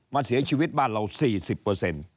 มันเสียชีวิตบ้านเราซะ